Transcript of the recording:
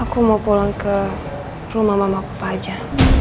aku mau pulang ke rumah mamah papa saja